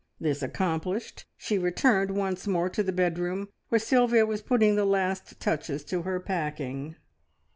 This accomplished, she returned once more to the bedroom, where Sylvia was putting the last touches to her packing.